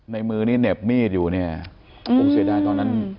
ในมือนี้เหน็บมีดอยู่เนี่ยคงเสียดายตอนนั้น